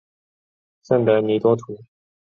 圣德尼多图。